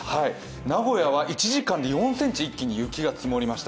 名古屋は１時間で４ｃｍ一気に雪が積もりました。